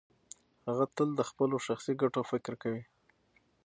هغه تل د خپلو شخصي ګټو فکر کوي.